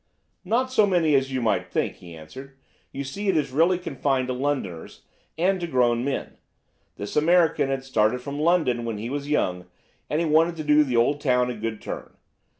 "'Not so many as you might think,' he answered. 'You see it is really confined to Londoners, and to grown men. This American had started from London when he was young, and he wanted to do the old town a good turn.